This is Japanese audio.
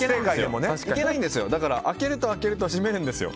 開けると開けると閉めるんですよ。